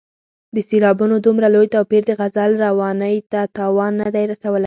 د سېلابونو دومره لوی توپیر د غزل روانۍ ته تاوان نه دی رسولی.